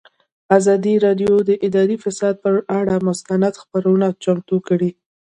ازادي راډیو د اداري فساد پر اړه مستند خپرونه چمتو کړې.